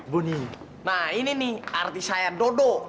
buni nah ini nih arti saya dodo